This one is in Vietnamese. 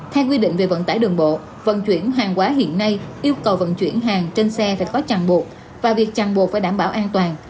theo quy định về vận tải đường bộ vận chuyển hàng quá hiện nay yêu cầu vận chuyển hàng trên xe phải có chặn buộc và việc chẳng buộc phải đảm bảo an toàn